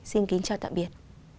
xin kính chào tạm biệt